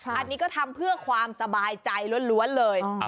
อันนี้ก็ทำเพื่อความสบายใจล้วนเลย